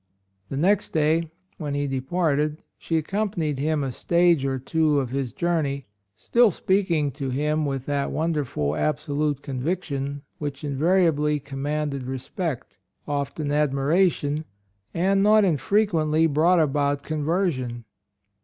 The next day, when he departed, she accompanied him a stage or two of his journey, still speaking to him with that wonderful absolute conviction which invariably commanded respect, often admiration, and not infrequently brought about conversion.